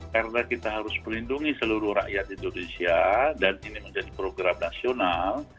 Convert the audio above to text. karena kita harus melindungi seluruh rakyat di indonesia dan ini menjadi program nasional